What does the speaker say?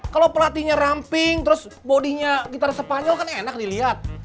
kalau pelatihnya ramping terus bodinya gitar spanyol kan enak dilihat